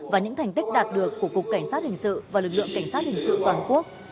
và những thành tích đạt được của cục cảnh sát hình sự và lực lượng cảnh sát hình sự toàn quốc